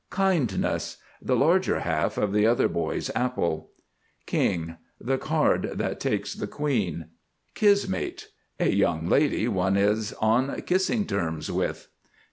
KINDNESS. The larger half of the other boy's apple. KING. The card that takes the Queen. KISMATE. A young lady one is on kissing terms with.